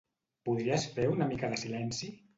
Podries fer una mica de silenci?